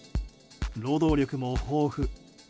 労働力も豊富。